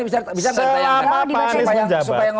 selama pak anis menjabat